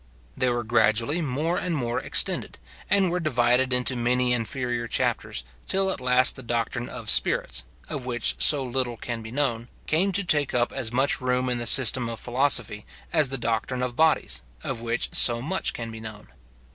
They were gradually more and more extended, and were divided into many inferior chapters; till at last the doctrine of spirits, of which so little can be known, came to take up as much room in the system of philosophy as the doctrine of bodies, of which so much can be known.